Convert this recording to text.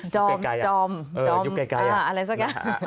จอมจอมอะไรสักอย่าง